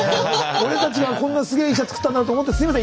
俺たちがこんなすげえ医者作ったんだと思ったらすいません。